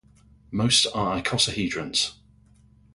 Most are icosahedrons.